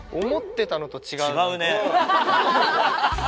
違うね。